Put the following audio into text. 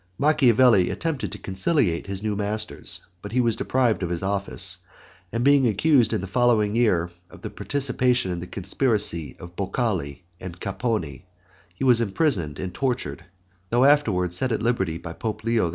Machiavelli attempted to conciliate his new masters, but he was deprived of his office, and being accused in the following year of participation in the conspiracy of Boccoli and Capponi, he was imprisoned and tortured, though afterward set at liberty by Pope Leo X.